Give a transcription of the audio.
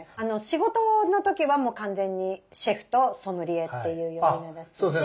仕事の時はもう完全にシェフとソムリエっていう呼び名ですし。